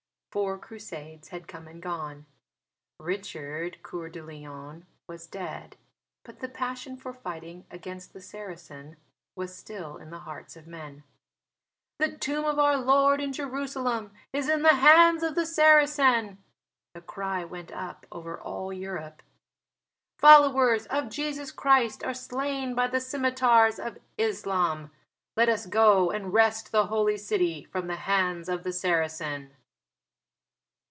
Four Crusades had come and gone. Richard Coeur de Lion was dead. But the passion for fighting against the Saracen was still in the hearts of men. "The tomb of our Lord in Jerusalem is in the hands of the Saracen," the cry went up over all Europe. "Followers of Jesus Christ are slain by the scimitars of Islam. Let us go and wrest the Holy City from the hands of the Saracen."